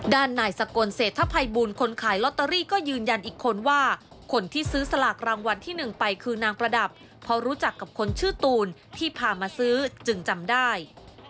ด้านนายสกลเศรษฐภัยบูลคนขายลอตเตอรี่ก็ยืนยันอีกคนว่าคนที่ซื้อสลากรางวัลที่๑ไปคือนางประดับเพราะรู้จักกับคนชื่อตูนที่พามาซื้อจึงจำได้